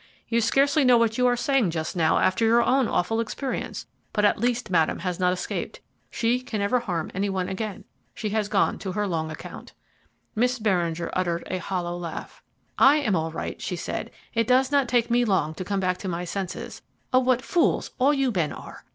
You scarcely know what you are saying just now, after your own awful experience; but at least Madame has not escaped. She can never harm any one again she has gone to her long account." Miss Beringer uttered a hollow laugh. "I am all right," she said. "It does not take me long to come back to my senses. Oh, what fools all you men are!